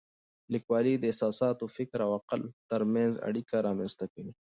لیکوالی د احساساتو، فکر او عقل ترمنځ اړیکه رامنځته کوي.